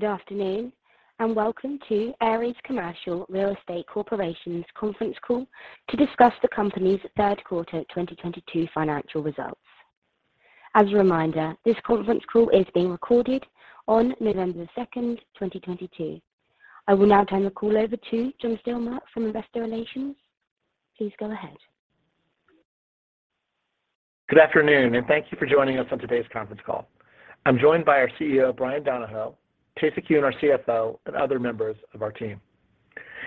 Good afternoon, and welcome to Ares Commercial Real Estate Corporation's conference call to discuss the company's third quarter 2022 financial results. As a reminder, this conference call is being recorded on November 2, 2022. I will now turn the call over to John Stilmar from Investor Relations. Please go ahead. Good afternoon, and thank you for joining us on today's conference call. I'm joined by our CEO, Bryan Donohoe, Tae-Sik Yoon, our CFO, and other members of our team.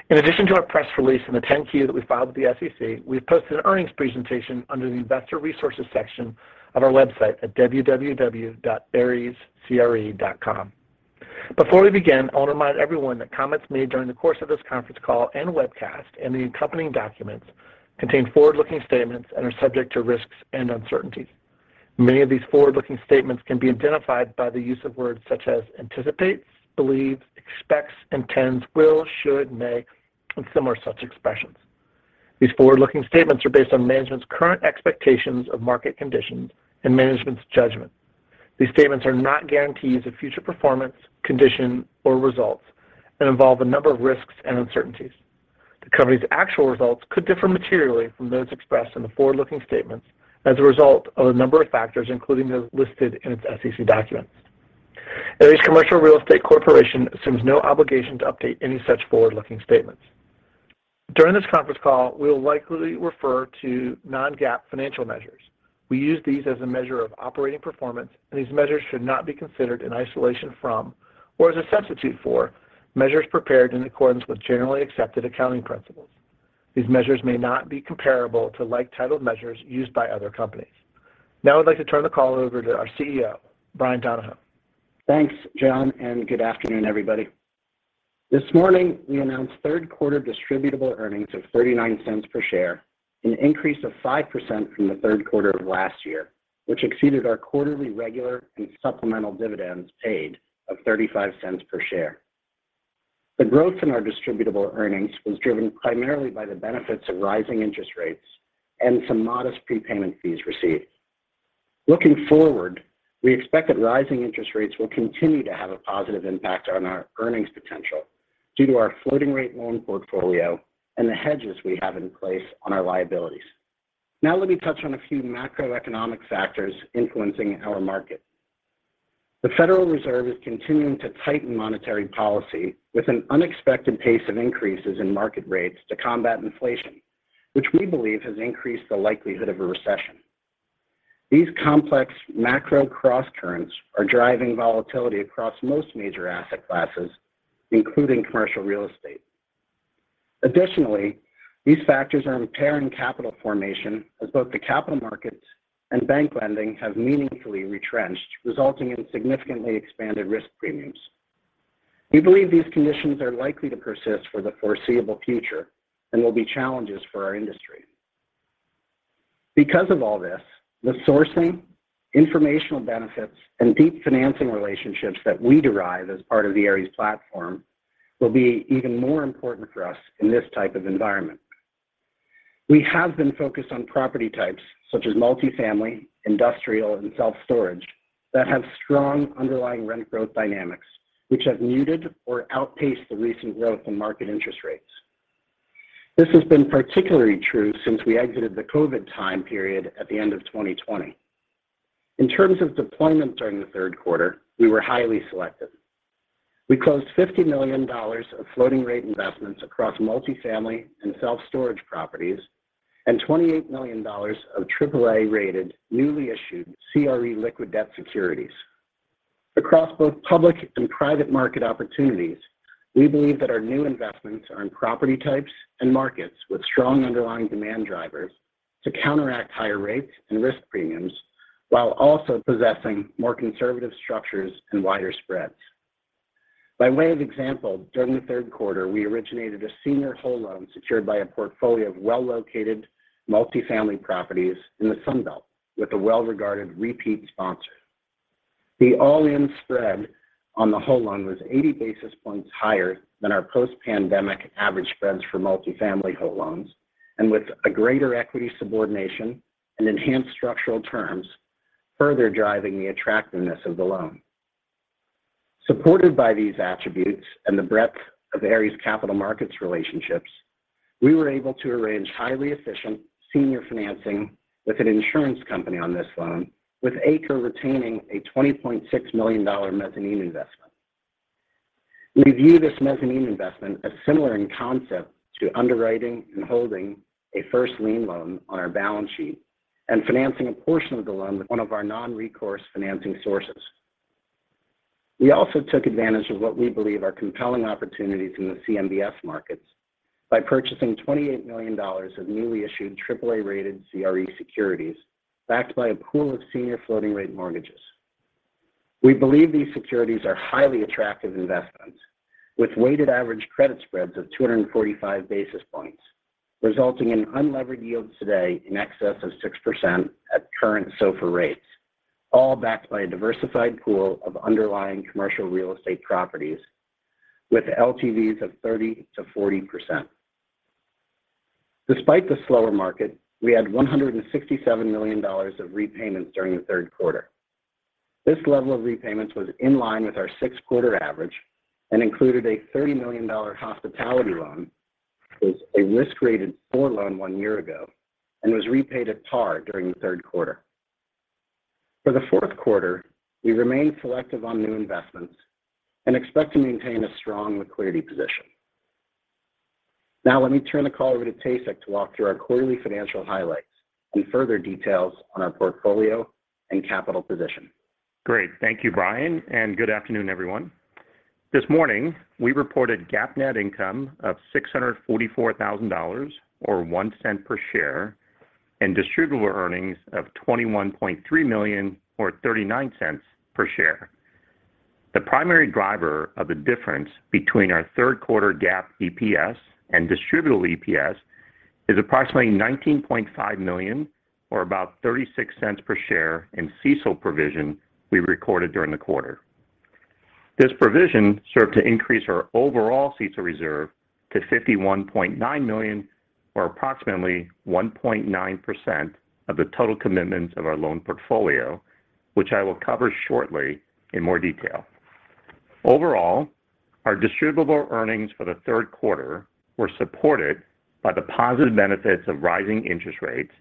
In addition to our press release in the 10-Q that we filed with the SEC, we've posted an earnings presentation under the Investor Resources section of our website at www.arescre.com. Before we begin, I want to remind everyone that comments made during the course of this conference call and webcast and the accompanying documents contain forward-looking statements and are subject to risks and uncertainties. Many of these forward-looking statements can be identified by the use of words such as anticipates, believes, expects, intends, will, should, may, and similar such expressions. These forward-looking statements are based on management's current expectations of market conditions and management's judgment. These statements are not guarantees of future performance, condition, or results and involve a number of risks and uncertainties. The company's actual results could differ materially from those expressed in the forward-looking statements as a result of a number of factors, including those listed in its SEC documents. Ares Commercial Real Estate Corporation assumes no obligation to update any such forward-looking statements. During this conference call, we will likely refer to non-GAAP financial measures. We use these as a measure of operating performance, and these measures should not be considered in isolation from or as a substitute for measures prepared in accordance with generally accepted accounting principles. These measures may not be comparable to like-titled measures used by other companies. Now I'd like to turn the call over to our CEO, Bryan Donohoe. Thanks, John, and good afternoon, everybody. This morning, we announced third quarter distributable earnings of $0.39 per share, an increase of 5% from the third quarter of last year, which exceeded our quarterly regular and supplemental dividends paid of $0.35 per share. The growth in our distributable earnings was driven primarily by the benefits of rising interest rates and some modest prepayment fees received. Looking forward, we expect that rising interest rates will continue to have a positive impact on our earnings potential due to our floating rate loan portfolio and the hedges we have in place on our liabilities. Now let me touch on a few macroeconomic factors influencing our market. The Federal Reserve is continuing to tighten monetary policy with an unexpected pace of increases in market rates to combat inflation, which we believe has increased the likelihood of a recession. These complex macro crosscurrents are driving volatility across most major asset classes, including commercial real estate. Additionally, these factors are impairing capital formation as both the capital markets and bank lending have meaningfully retrenched, resulting in significantly expanded risk premiums. We believe these conditions are likely to persist for the foreseeable future and will be challenges for our industry. Because of all this, the sourcing, informational benefits, and deep financing relationships that we derive as part of the Ares platform will be even more important for us in this type of environment. We have been focused on property types such as multifamily, industrial, and self-storage that have strong underlying rent growth dynamics, which have muted or outpaced the recent growth in market interest rates. This has been particularly true since we exited the COVID time period at the end of 2020. In terms of deployment during the third quarter, we were highly selective. We closed $50 million of floating rate investments across multifamily and self-storage properties and $28 million of AAA-rated, newly issued CRE liquid debt securities. Across both public and private market opportunities, we believe that our new investments are in property types and markets with strong underlying demand drivers to counteract higher rates and risk premiums while also possessing more conservative structures and wider spreads. By way of example, during the third quarter, we originated a senior whole loan secured by a portfolio of well-located multifamily properties in the Sun Belt with a well-regarded repeat sponsor. The all-in spread on the whole loan was 80 basis points higher than our post-pandemic average spreads for multifamily whole loans and with a greater equity subordination and enhanced structural terms further driving the attractiveness of the loan. Supported by these attributes and the breadth of Ares capital markets relationships, we were able to arrange highly efficient senior financing with an insurance company on this loan, with ACRE retaining a $20.6 million mezzanine investment. We view this mezzanine investment as similar in concept to underwriting and holding a first lien loan on our balance sheet and financing a portion of the loan with one of our non-recourse financing sources. We also took advantage of what we believe are compelling opportunities in the CMBS markets by purchasing $28 million of newly issued AAA-rated CRE securities backed by a pool of senior floating rate mortgages. We believe these securities are highly attractive investments with weighted average credit spreads of 245 basis points, resulting in unlevered yields today in excess of 6% at current SOFR rates, all backed by a diversified pool of underlying commercial real estate properties with LTVs of 30%-40%. Despite the slower market, we had $167 million of repayments during the third quarter. This level of repayments was in line with our six-quarter average and included a $30 million hospitality loan which a risk-rated four loan one year ago and was repaid at par during the third quarter. For the fourth quarter, we remain selective on new investments and expect to maintain a strong liquidity position. Now let me turn the call over to Tae-Sik Yoon to walk through our quarterly financial highlights and further details on our portfolio and capital position. Great. Thank you, Bryan, and good afternoon, everyone. This morning, we reported GAAP net income of $644,000 or $0.01 per share and distributable earnings of $21.3 million or $0.39 per share. The primary driver of the difference between our third quarter GAAP EPS and distributable EPS is approximately $19.5 million or about $0.36 per share in CECL provision we recorded during the quarter. This provision served to increase our overall CECL reserve to $51.9 million or approximately 1.9% of the total commitments of our loan portfolio, which I will cover shortly in more detail. Overall, our distributable earnings for the third quarter were supported by the positive benefits of rising interest rates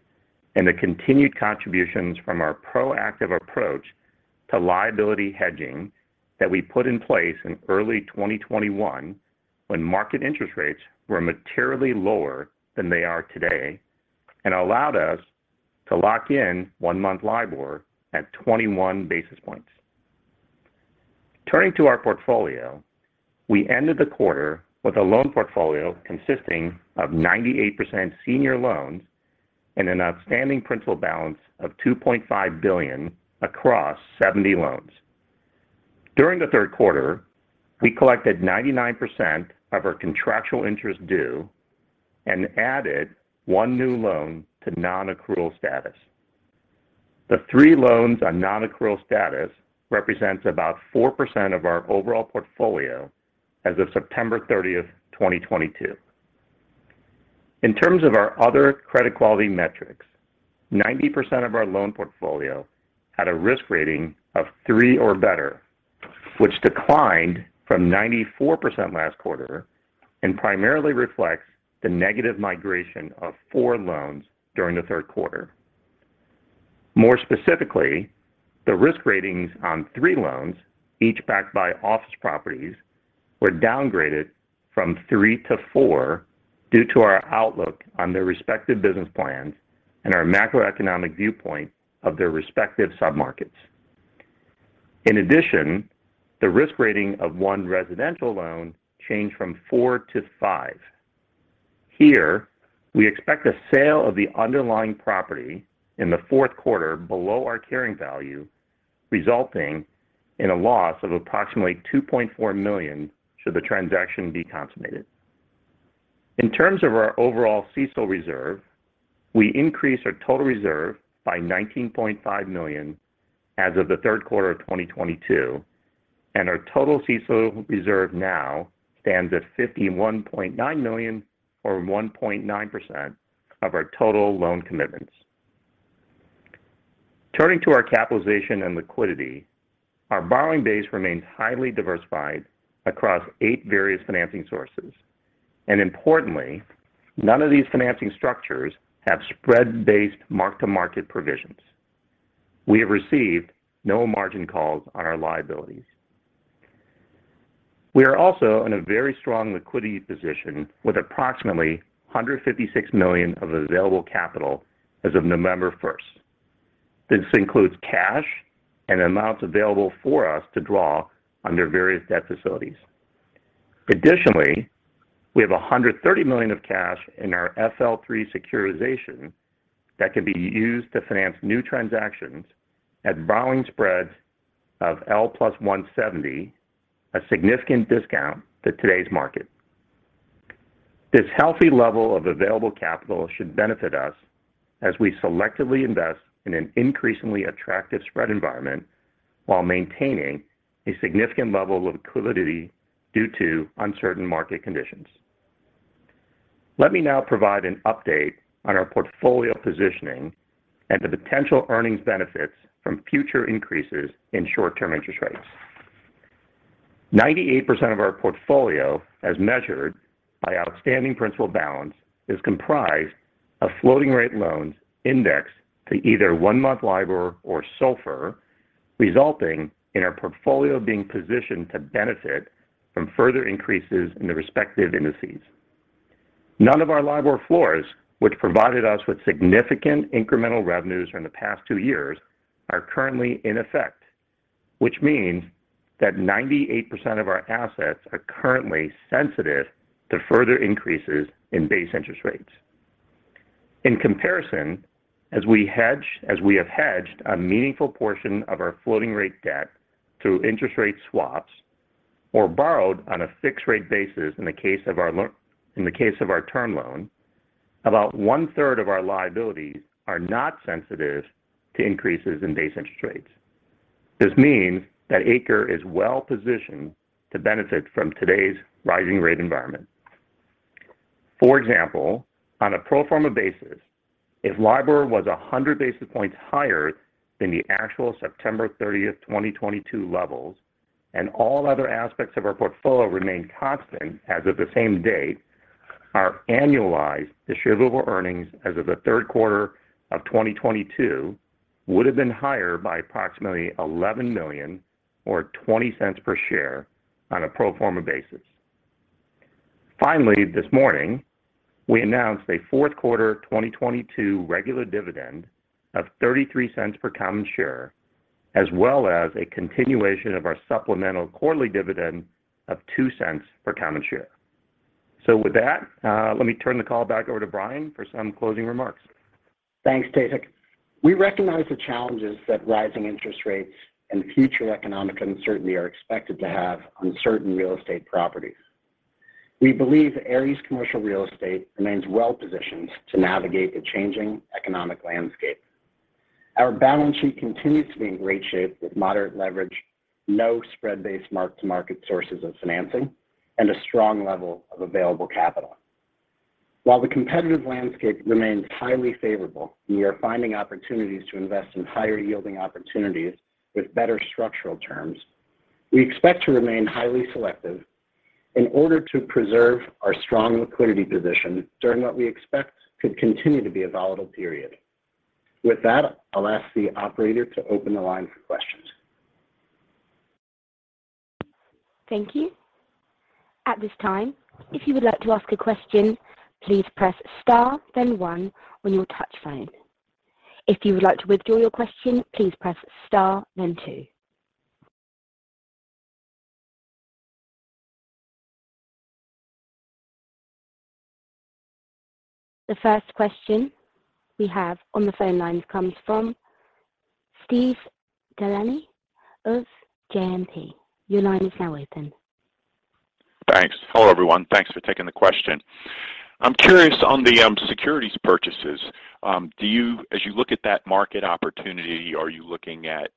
and the continued contributions from our proactive approach to liability hedging that we put in place in early 2021 when market interest rates were materially lower than they are today and allowed us to lock in one-month LIBOR at 21 basis points. Turning to our portfolio, we ended the quarter with a loan portfolio consisting of 98% senior loans and an outstanding principal balance of $2.5 billion across 70 loans. During the third quarter, we collected 99% of our contractual interest due and added one new loan to non-accrual status. The three loans on non-accrual status represents about 4% of our overall portfolio as of September 30, 2022. In terms of our other credit quality metrics, 90% of our loan portfolio had a risk rating of three or better, which declined from 94% last quarter and primarily reflects the negative migration of four loans during the third quarter. More specifically, the risk ratings on three loans, each backed by office properties, were downgraded from three to four due to our outlook on their respective business plans and our macroeconomic viewpoint of their respective submarkets. In addition, the risk rating of one residential loan changed from four to five. Here, we expect a sale of the underlying property in the fourth quarter below our carrying value, resulting in a loss of approximately $2.4 million should the transaction be consummated. In terms of our overall CECL reserve, we increased our total reserve by $19.5 million as of the third quarter of 2022, and our total CECL reserve now stands at $51.9 million or 1.9% of our total loan commitments. Turning to our capitalization and liquidity, our borrowing base remains highly diversified across eight various financing sources. Importantly, none of these financing structures have spread-based mark-to-market provisions. We have received no margin calls on our liabilities. We are also in a very strong liquidity position with approximately $156 million of available capital as of November 1. This includes cash and amounts available for us to draw under various debt facilities. Additionally, we have $130 million of cash in our FL3 securitization that can be used to finance new transactions at borrowing spreads of L+170, a significant discount to today's market. This healthy level of available capital should benefit us as we selectively invest in an increasingly attractive spread environment while maintaining a significant level of liquidity due to uncertain market conditions. Let me now provide an update on our portfolio positioning and the potential earnings benefits from future increases in short-term interest rates. 98% of our portfolio, as measured by outstanding principal balance, is comprised of floating-rate loans indexed to either one-month LIBOR or SOFR, resulting in our portfolio being positioned to benefit from further increases in the respective indices. None of our LIBOR floors, which provided us with significant incremental revenues from the past two years, are currently in effect, which means that 98% of our assets are currently sensitive to further increases in base interest rates. In comparison, as we have hedged a meaningful portion of our floating-rate debt through interest rate swaps or borrowed on a fixed-rate basis in the case of our term loan, about 1/3 of our liabilities are not sensitive to increases in base interest rates. This means that ACRE is well positioned to benefit from today's rising rate environment. For example, on a pro forma basis, if LIBOR was 100 basis points higher than the actual September 30th, 2022 levels and all other aspects of our portfolio remained constant as of the same date, our annualized distributable earnings as of the third quarter of 2022 would have been higher by approximately $11 million or $0.20 per share on a pro forma basis. Finally, this morning, we announced a fourth quarter 2022 regular dividend of $0.33 per common share, as well as a continuation of our supplemental quarterly dividend of $0.02 per common share. With that, let me turn the call back over to Bryan for some closing remarks. Thanks, Tae-Sik. We recognize the challenges that rising interest rates and future economic uncertainty are expected to have on certain real estate properties. We believe Ares Commercial Real Estate remains well positioned to navigate the changing economic landscape. Our balance sheet continues to be in great shape with moderate leverage, no spread-based mark-to-market sources of financing, and a strong level of available capital. While the competitive landscape remains highly favorable, we are finding opportunities to invest in higher yielding opportunities with better structural terms. We expect to remain highly selective in order to preserve our strong liquidity position during what we expect could continue to be a volatile period. With that, I'll ask the operator to open the line for questions. Thank you. At this time, if you would like to ask a question, please press star then one on your touch-tone phone. If you would like to withdraw your question, please press star then two. The first question we have on the phone lines comes from Steve Delaney of JMP. Your line is now open. Thanks. Hello, everyone. Thanks for taking the question. I'm curious on the securities purchases. Do you, as you look at that market opportunity, are you looking at,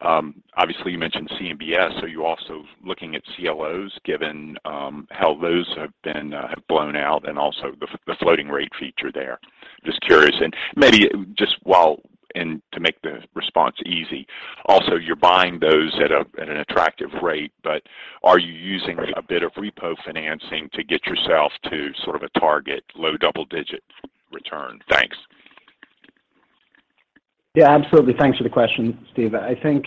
obviously you mentioned CMBS. Are you also looking at CLOs given how those have been, have blown out and also the floating rate feature there? Just curious. Maybe just while I'm at it to make the response easy, also, you're buying those at an attractive rate, but are you using a bit of repo financing to get yourself to sort of a target low double-digit return? Thanks. Yeah, absolutely. Thanks for the question, Steve. I think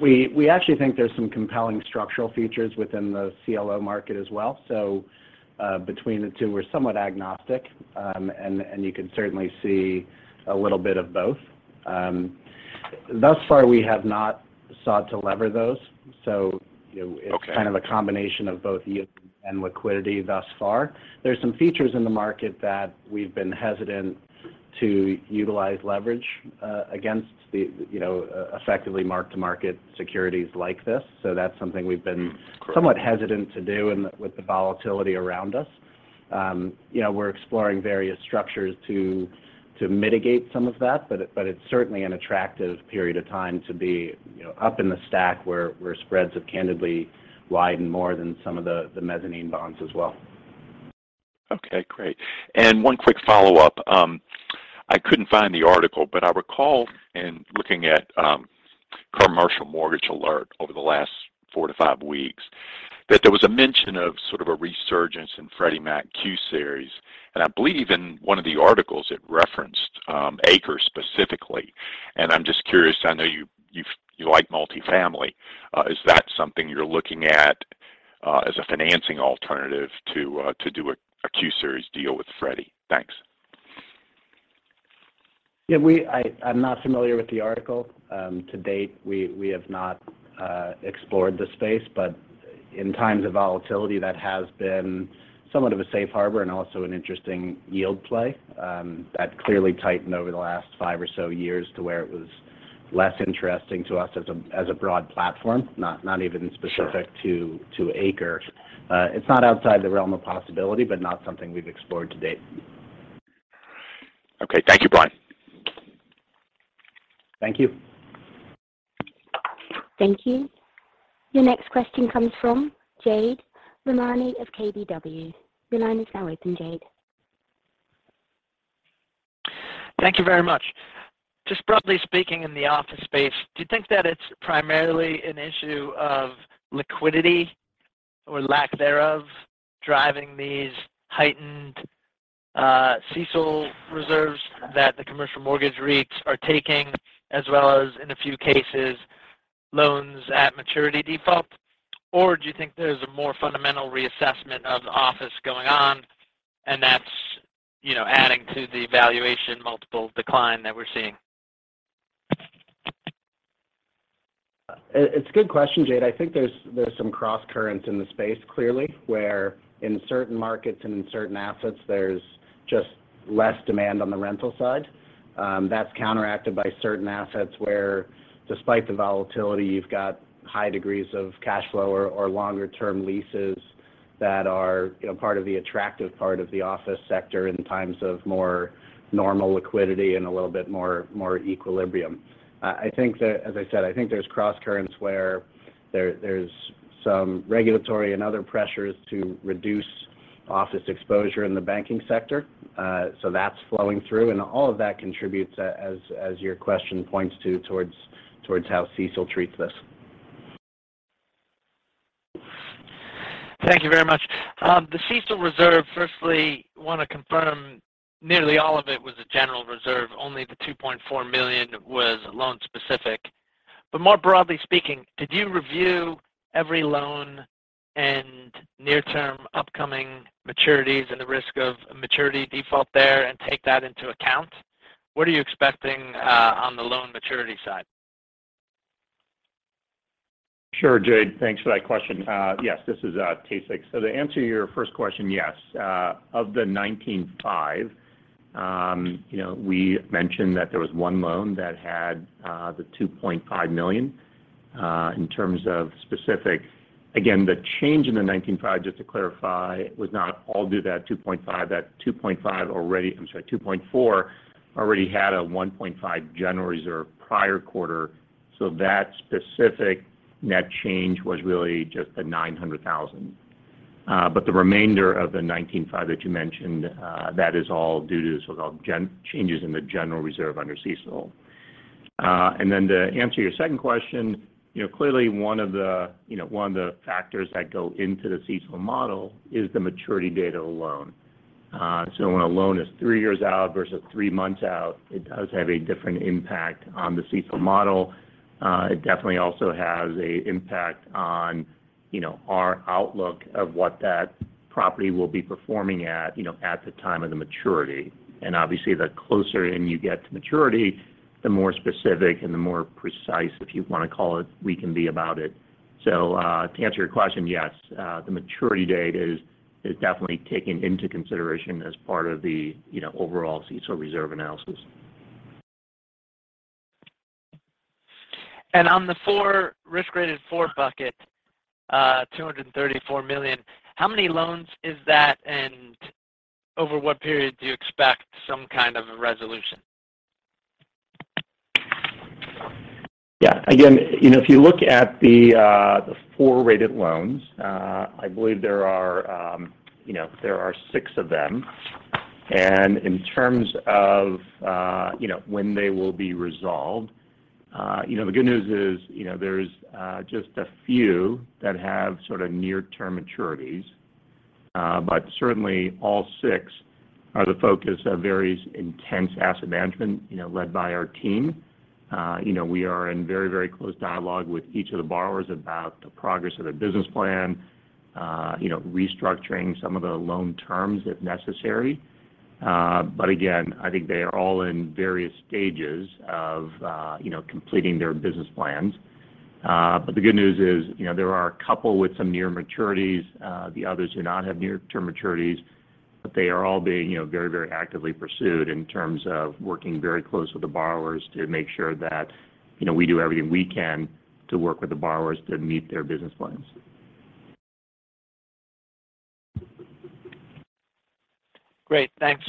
we actually think there's some compelling structural features within the CLO market as well. Between the two, we're somewhat agnostic, and you can certainly see a little bit of both. Thus far we have not sought to leverage those. You— Okay. It's kind of a combination of both yield and liquidity thus far. There's some features in the market that we've been hesitant to utilize leverage against the, you know, effectively mark-to-market securities like this. That's something we've been somewhat hesitant to do with the volatility around us. You know, we're exploring various structures to mitigate some of that, but it's certainly an attractive period of time to be, you know, up in the stack where spreads have candidly widened more than some of the mezzanine bonds as well. Okay, great. One quick follow-up. I couldn't find the article, but I recall in looking at Commercial Mortgage Alert over the last four to five weeks that there was a mention of sort of a resurgence in Freddie Mac "Q" series. I believe in one of the articles it referenced ACRE specifically. I'm just curious, I know you like multifamily. Is that something you're looking at as a financing alternative to do a Q series deal with Freddie? Thanks. Yeah, I'm not familiar with the article. To date, we have not explored the space. In times of volatility that has been somewhat of a safe harbor and also an interesting yield play, that clearly tightened over the last five or so years to where it was less interesting to us as a broad platform, not even specific— Sure. —to ACRE. It's not outside the realm of possibility, but not something we've explored to date. Okay. Thank you, Bryan. Thank you. Thank you. Your next question comes from Jade Rahmani of KBW. Your line is now open, Jade. Thank you very much. Just broadly speaking in the office space, do you think that it's primarily an issue of liquidity or lack thereof driving these heightened, CECL reserves that the commercial mortgage REITs are taking, as well as in a few cases, loans at maturity default? Or do you think there's a more fundamental reassessment of the office going on and that's, you know, adding to the valuation multiple decline that we're seeing? It's a good question, Jade. I think there's some crosscurrent in the space clearly, where in certain markets and in certain assets, there's just less demand on the rental side. That's counteracted by certain assets where despite the volatility, you've got high degrees of cash flow or longer term leases. That are, you know, part of the attractive part of the office sector in times of more normal liquidity and a little bit more equilibrium. I think that, as I said, I think there's crosscurrents where there's some regulatory and other pressures to reduce office exposure in the banking sector, so that's flowing through, and all of that contributes as your question points to, towards how CECL treats this. Thank you very much. The CECL reserve, firstly, wanna confirm nearly all of it was a general reserve, only the $2.4 million was loan-specific. More broadly speaking, did you review every loan and near-term upcoming maturities and the risk of a maturity default there and take that into account? What are you expecting on the loan maturity side? Sure, Jade. Thanks for that question. Yes, this is Tae-Sik. To answer your first question, yes. Of the $19.5 million, you know, we mentioned that there was one loan that had the $2.5 million in terms of specific. Again, the change in the $19.5 million, just to clarify, was not all due to that $2.5 million. That $2.5 million already. I'm sorry, $2.4 million already had a $1.5 million general reserve prior quarter, so that specific net change was really just the $900,000. But the remainder of the $19.5 million that you mentioned, that is all due to sort of changes in the general reserve under CECL. To answer your second question, you know, clearly one of the, you know, one of the factors that go into the CECL model is the maturity date of the loan. When a loan is three years out versus three months out, it does have a different impact on the CECL model. It definitely also has an impact on, you know, our outlook of what that property will be performing at, you know, at the time of the maturity. Obviously the closer in you get to maturity, the more specific and the more precise, if you wanna call it, we can be about it. To answer your question, yes, the maturity date is definitely taken into consideration as part of the, you know, overall CECL reserve analysis. On the four-risk-graded four bucket, $234 million, how many loans is that, and over what period do you expect some kind of a resolution? Yeah. Again, you know, if you look at the four-rated loans, I believe there are six of them. In terms of, you know, when they will be resolved, you know, the good news is, you know, there's just a few that have sort of near-term maturities. Certainly all six are the focus of various intense asset management, you know, led by our team. You know, we are in very, very close dialogue with each of the borrowers about the progress of their business plan, you know, restructuring some of the loan terms if necessary. Again, I think they are all in various stages of, you know, completing their business plans. The good news is, you know, there are a couple with some near maturities. The others do not have near-term maturities, but they are all being, you know, very, very actively pursued in terms of working very close with the borrowers to make sure that, you know, we do everything we can to work with the borrowers to meet their business plans. Great. Thanks.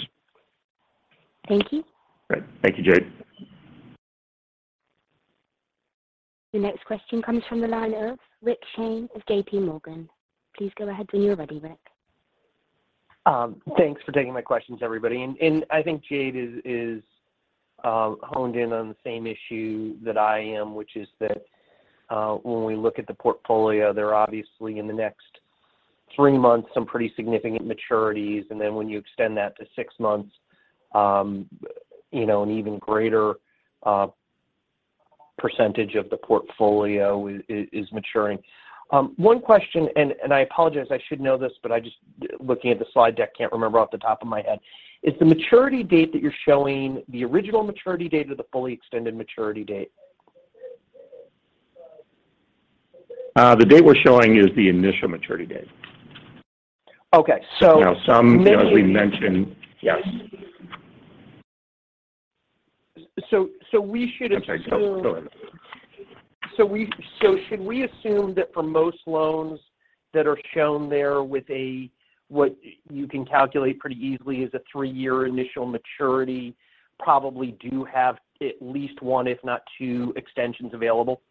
Thank you. Great. Thank you, Jade. The next question comes from the line of Rick Shane of JPMorgan. Please go ahead when you're ready, Rick. Thanks for taking my questions, everybody. I think Jade is honed in on the same issue that I am, which is that when we look at the portfolio, there are obviously in the next three months some pretty significant maturities, and then when you extend that to six months, you know, an even greater percentage of the portfolio is maturing. One question, and I apologize, I should know this, but I just looking at the slide deck, can't remember off the top of my head. Is the maturity date that you're showing the original maturity date or the fully extended maturity date? The date we're showing is the initial maturity date. Okay. Now some, as we mentioned. Yes. We should assume— I'm sorry. Go ahead. —should we assume that for most loans that are shown there with what you can calculate pretty easily is a three-year initial maturity probably do have at least one, if not two, extensions available?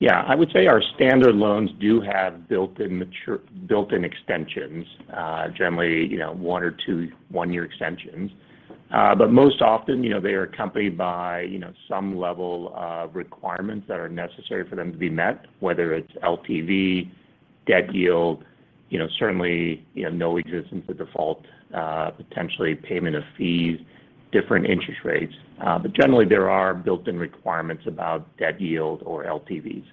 Yeah. I would say our standard loans do have built-in extensions, generally, you know, one or two one-year extensions. Most often, you know, they are accompanied by, you know, some level of requirements that are necessary for them to be met, whether it's LTV, debt yield, you know, certainly, you know, no existence of default, potentially payment of fees, different interest rates. Generally, there are built-in requirements about debt yield or LTVs.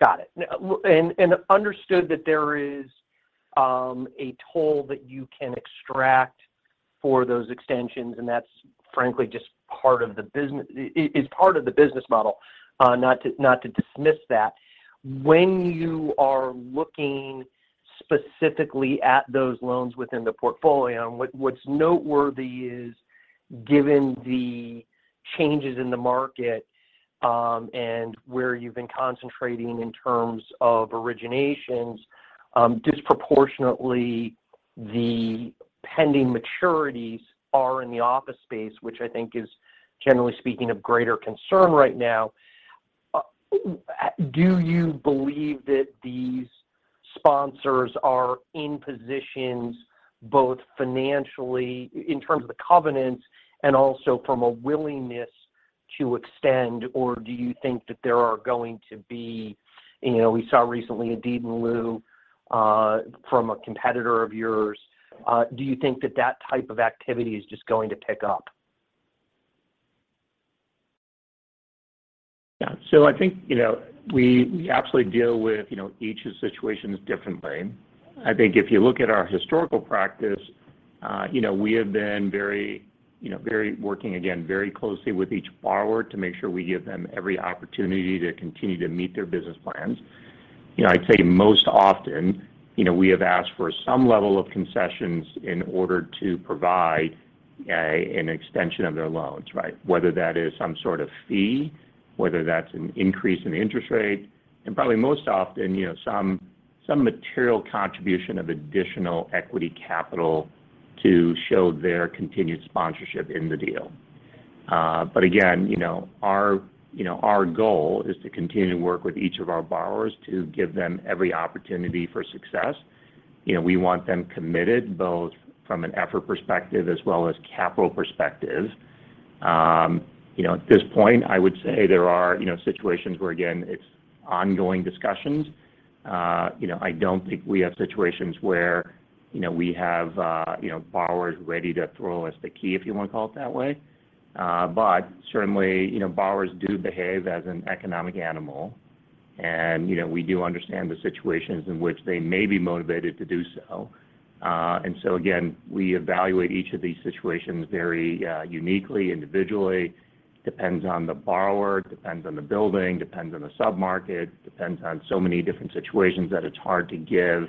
Got it. Now, and understood that there is a toll that you can extract for those extensions, and that's frankly just part of the business. It is part of the business model, not to dismiss that. When you are looking specifically at those loans within the portfolio, what's noteworthy is given the changes in the market, and where you've been concentrating in terms of originations, disproportionately the pending maturities are in the office space, which I think is, generally speaking, of greater concern right now. Do you believe that these sponsors are in positions both financially in terms of the covenants and also from a willingness to extend, or do you think that there are going to be. You know, we saw recently a deed in lieu from a competitor of yours. Do you think that type of activity is just going to pick up? Yeah. I think, you know, we absolutely deal with, you know, each situation differently. I think if you look at our historical practice, you know, we have been very closely with each borrower to make sure we give them every opportunity to continue to meet their business plans. You know, I'd say most often, you know, we have asked for some level of concessions in order to provide an extension of their loans, right? Whether that is some sort of fee, whether that's an increase in interest rate, and probably most often, you know, some material contribution of additional equity capital to show their continued sponsorship in the deal. Again, you know, our goal is to continue to work with each of our borrowers to give them every opportunity for success. You know, we want them committed both from an effort perspective as well as capital perspective. You know, at this point I would say there are, you know, situations where again, it's ongoing discussions. You know, I don't think we have situations where, you know, we have, you know, borrowers ready to throw us the key, if you wanna call it that way. But certainly, you know, borrowers do behave as an economic animal and, you know, we do understand the situations in which they may be motivated to do so. We evaluate each of these situations very uniquely, individually. Depends on the borrower, depends on the building, depends on the sub-market, depends on so many different situations that it's hard to give,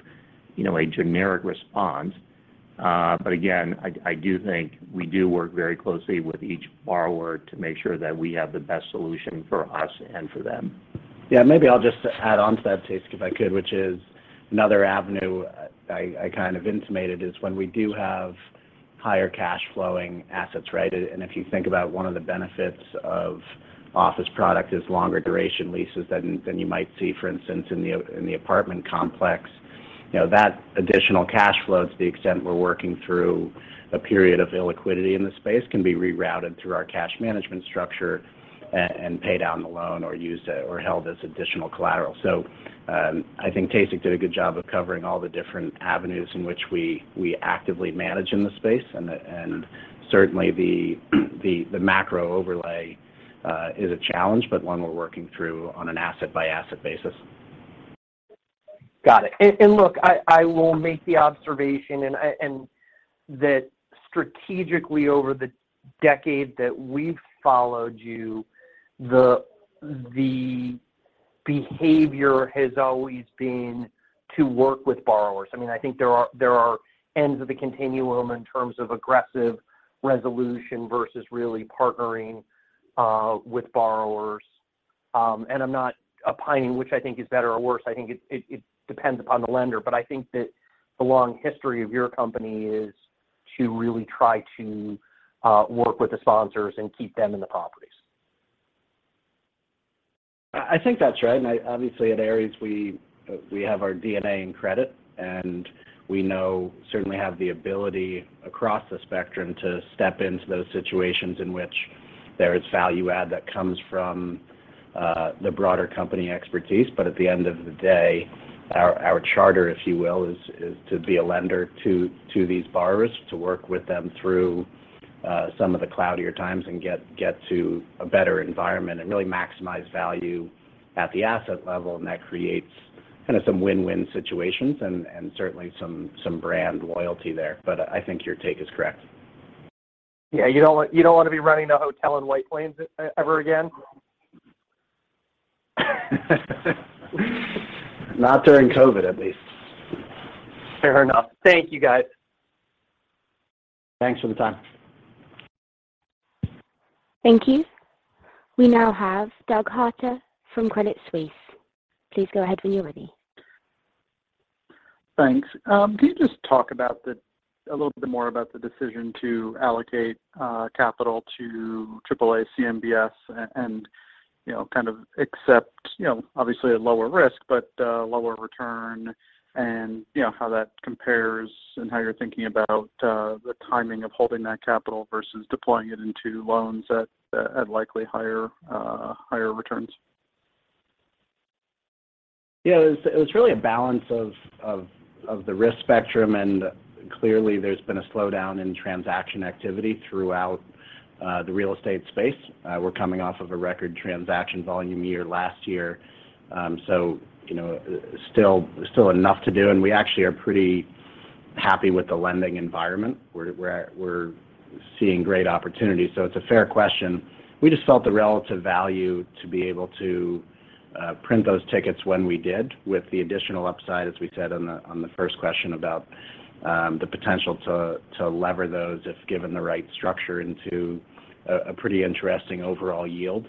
you know, a generic response. I do think we do work very closely with each borrower to make sure that we have the best solution for us and for them. Yeah, maybe I'll just add on to that, Tae-Sik, if I could, which is another avenue I kind of intimated is when we do have higher cash flowing assets, right? If you think about one of the benefits of office product is longer duration leases than you might see, for instance, in the apartment complex. You know, that additional cash flows to the extent we're working through a period of illiquidity in the space can be rerouted through our cash management structure and pay down the loan or used or held as additional collateral. I think Tae-Sik did a good job of covering all the different avenues in which we actively manage in the space. Certainly the macro overlay is a challenge, but one we're working through on an asset by asset basis. Got it. Look, I will make the observation that strategically over the decade that we've followed you, the behavior has always been to work with borrowers. I mean, I think there are ends of the continuum in terms of aggressive resolution versus really partnering with borrowers. I'm not opining which I think is better or worse. I think it depends upon the lender, but I think that the long history of your company is to really try to work with the sponsors and keep them in the properties. I think that's right. I obviously at Ares we have our DNA in credit, and we certainly have the ability across the spectrum to step into those situations in which there is value add that comes from the broader company expertise. At the end of the day, our charter, if you will, is to be a lender to these borrowers, to work with them through some of the cloudier times and get to a better environment and really maximize value at the asset level. That creates kind of some win-win situations and certainly some brand loyalty there. I think your take is correct. Yeah. You don't wanna be running a hotel in White Plains ever again. Not during COVID, at least. Fair enough. Thank you, guys. Thanks for the time. Thank you. We now have Douglas Harter from Credit Suisse. Please go ahead when you're ready. Thanks. Can you just talk about a little bit more about the decision to allocate capital to AAA CMBS and, you know, kind of accept, you know, obviously a lower risk, but lower return and you know, how that compares and how you're thinking about the timing of holding that capital versus deploying it into loans at likely higher returns? Yeah, it was really a balance of the risk spectrum, and clearly there's been a slowdown in transaction activity throughout the real estate space. We're coming off of a record transaction volume year last year. So, you know, still enough to do, and we actually are pretty happy with the lending environment. We're seeing great opportunities. So it's a fair question. We just felt the relative value to be able to print those tickets when we did with the additional upside, as we said on the first question about the potential to lever those if given the right structure into a pretty interesting overall yield.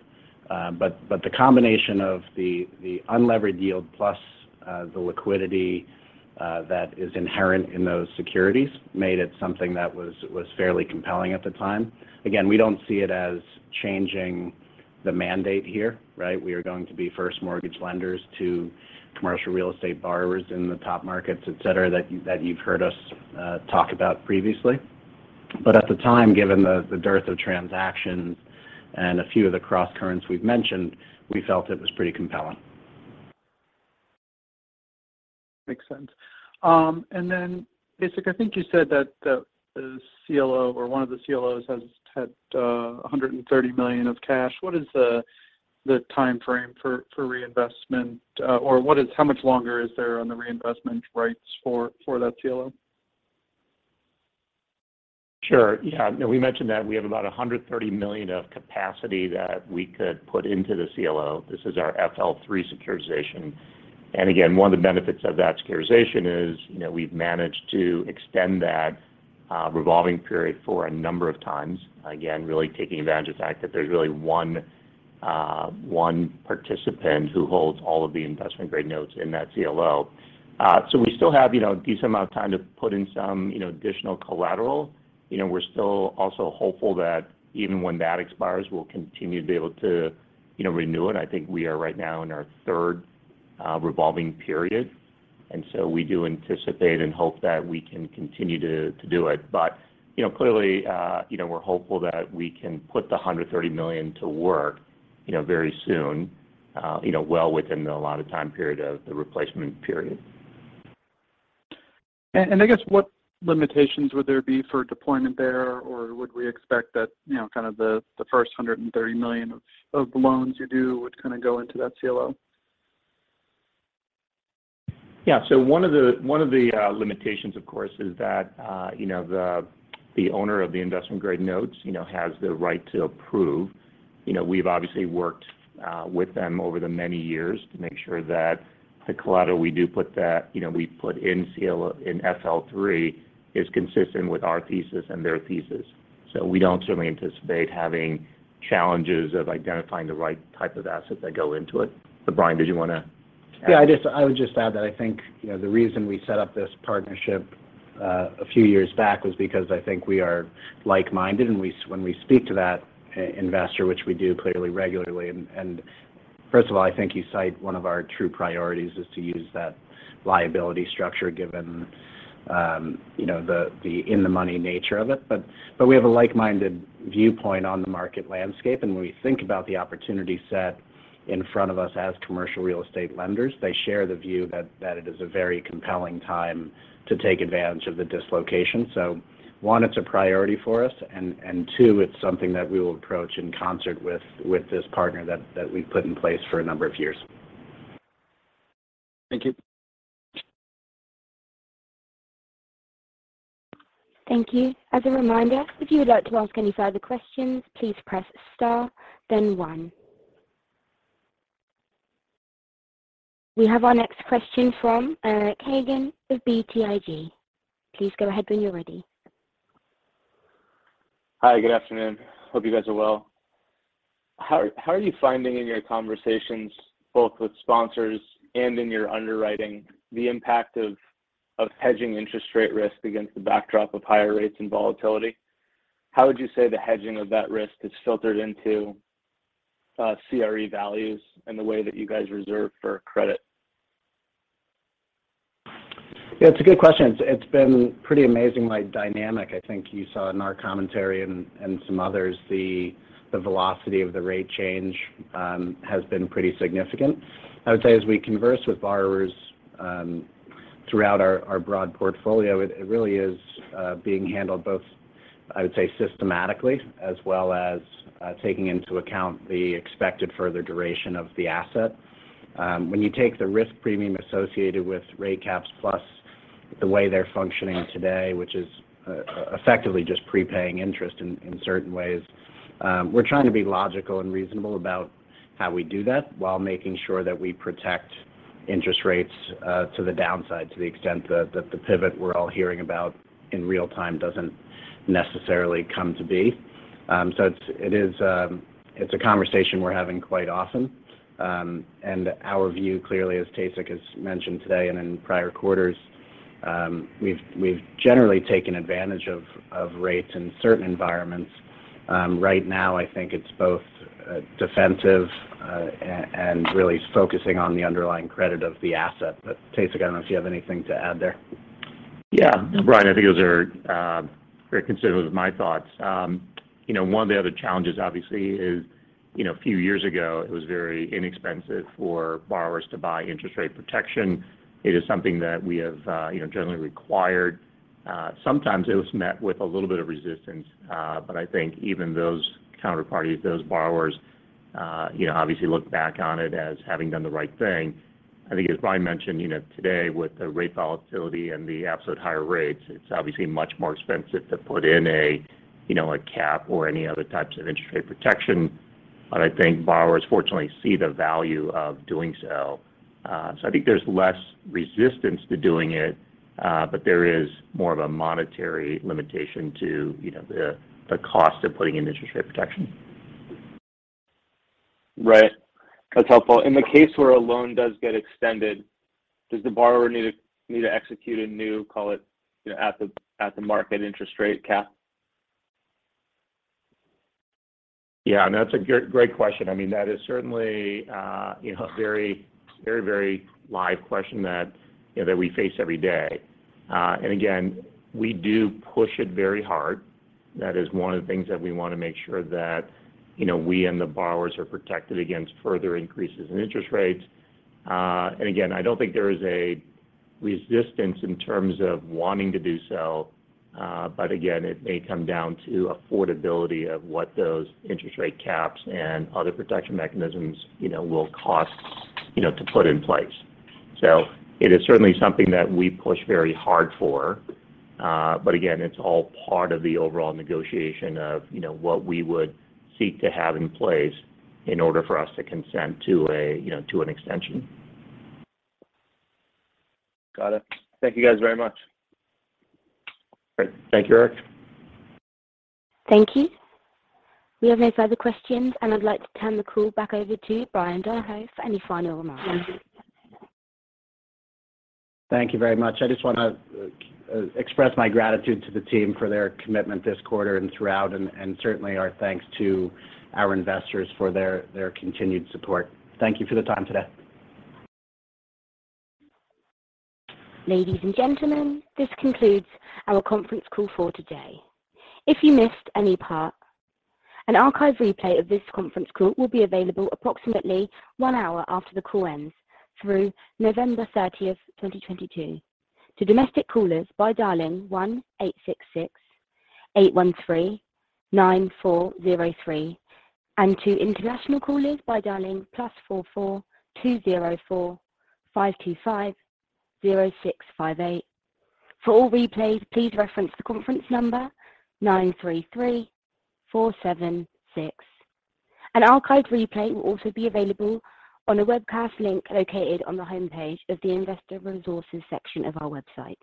The combination of the unlevered yield plus the liquidity that is inherent in those securities made it something that was fairly compelling at the time. Again, we don't see it as changing the mandate here, right? We are going to be first mortgage lenders to commercial real estate borrowers in the top markets, et cetera, that you've heard us talk about previously. At the time, given the dearth of transactions and a few of the crosscurrents we've mentioned, we felt it was pretty compelling. Makes sense. Tae-Sik, I think you said that the CLO or one of the CLOs has had $130 million of cash. What is the timeframe for reinvestment? Or how much longer is there on the reinvestment rights for that CLO? Sure. Yeah. You know, we mentioned that we have about $130 million of capacity that we could put into the CLO. This is our FL3 securitization. Again, one of the benefits of that securitization is, you know, we've managed to extend that, revolving period for a number of times, again, really taking advantage of the fact that there's really one participant who holds all of the investment-grade notes in that CLO. We still have, you know, a decent amount of time to put in some, you know, additional collateral. You know, we're still also hopeful that even when that expires, we'll continue to be able to, you know, renew it. I think we are right now in our third, revolving period, and so we do anticipate and hope that we can continue to do it. You know, clearly, you know, we're hopeful that we can put the $130 million to work, you know, very soon, you know, well within the allotted time period of the replacement period. I guess what limitations would there be for deployment there? Or would we expect that, you know, kind of the first $130 million of loans you do would kind of go into that CLO? Yeah. One of the limitations, of course, is that, you know, the owner of the investment-grade notes, you know, has the right to approve. You know, we've obviously worked with them over the many years to make sure that the collateral we put in CLO in FL3 is consistent with our thesis and their thesis. We don't certainly anticipate having challenges of identifying the right type of assets that go into it. Bryan, did you wanna add? Yeah, I would just add that I think, you know, the reason we set up this partnership a few years back was because I think we are like-minded, and when we speak to that investor, which we do clearly regularly. First of all, I think you cite one of our true priorities is to use that liability structure given, you know, the in the money nature of it. We have a like-minded viewpoint on the market landscape, and when we think about the opportunity set in front of us as commercial real estate lenders, they share the view that it is a very compelling time to take advantage of the dislocation. One, it's a priority for us, and two, it's something that we will approach in concert with this partner that we've put in place for a number of years. Thank you. Thank you. As a reminder, if you would like to ask any further questions, please press star then one. We have our next question from Eric Hagen of BTIG. Please go ahead when you're ready. Hi, good afternoon. Hope you guys are well. How are you finding in your conversations, both with sponsors and in your underwriting, the impact of hedging interest rate risk against the backdrop of higher rates and volatility? How would you say the hedging of that risk is filtered into CRE values and the way that you guys reserve for credit? Yeah, it's a good question. It's been pretty amazingly dynamic. I think you saw in our commentary and some others the velocity of the rate change has been pretty significant. I would say as we converse with borrowers throughout our broad portfolio, it really is being handled both, I would say, systematically as well as taking into account the expected further duration of the asset. When you take the risk premium associated with rate caps plus the way they're functioning today, which is effectively just prepaying interest in certain ways, we're trying to be logical and reasonable about how we do that while making sure that we protect interest rates to the downside to the extent that the pivot we're all hearing about in real time doesn't necessarily come to be. It's a conversation we're having quite often. Our view clearly, as Tae-Sik has mentioned today and in prior quarters, we've generally taken advantage of rates in certain environments. Right now I think it's both defensive and really focusing on the underlying credit of the asset. Tae-Sik, I don't know if you have anything to add there. Yeah. Bryan, I think those are very consistent with my thoughts. You know, one of the other challenges obviously is, you know, a few years ago, it was very inexpensive for borrowers to buy interest rate protection. It is something that we have, you know, generally required. Sometimes it was met with a little bit of resistance, but I think even those counterparties, those borrowers. You know, obviously look back on it as having done the right thing. I think as Bryan mentioned, you know, today with the rate volatility and the absolute higher rates, it's obviously much more expensive to put in a, you know, a cap or any other types of interest rate protection. I think borrowers fortunately see the value of doing so. I think there's less resistance to doing it, but there is more of a monetary limitation to, you know, the cost of putting in interest rate protection. Right. That's helpful. In the case where a loan does get extended, does the borrower need to execute a new, call it, you know, at the market interest rate cap? Yeah. No, that's a great question. I mean, that is certainly, you know, very live question that, you know, that we face every day. And again, we do push it very hard. That is one of the things that we wanna make sure that, you know, we and the borrowers are protected against further increases in interest rates. And again, I don't think there is a resistance in terms of wanting to do so. But again, it may come down to affordability of what those interest rate caps and other protection mechanisms, you know, will cost, you know, to put in place. It is certainly something that we push very hard for. Again, it's all part of the overall negotiation of, you know, what we would seek to have in place in order for us to consent to a, you know, to an extension. Got it. Thank you guys very much. Great. Thank you, Eric. Thank you. We have no further questions, and I'd like to turn the call back over to Bryan Donohoe for any final remarks. Thank you very much. I just wanna express my gratitude to the team for their commitment this quarter and throughout. Certainly our thanks to our investors for their continued support. Thank you for the time today. Ladies and gentlemen, this concludes our conference call for today. If you missed any part, an archive replay of this conference call will be available approximately one hour after the call ends through November 30th, 2022. To domestic callers, by dialing 1-866-813-9403, and to international callers by dialing +44-20-4525-0658. For all replays, please reference the conference number 933-476. An archive replay will also be available on a webcast link located on the homepage of the Investor Resources section of our website.